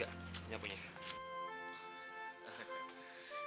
ya dengan senang hati jamal